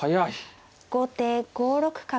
後手５六角。